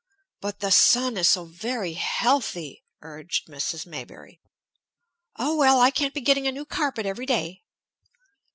"But the sun is so very healthy," urged Mrs. Maybury. "Oh, well! I can't be getting a new carpet every day."